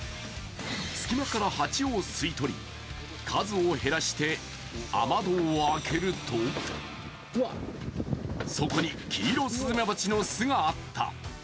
隙間からハチを吸い取り、数を減らして雨戸を開けるとそこにキイロスズメバチの巣があった。